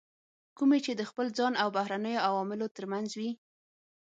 کومې چې د خپل ځان او بهرنیو عواملو ترمنځ وي.